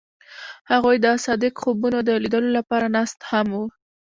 هغوی د صادق خوبونو د لیدلو لپاره ناست هم وو.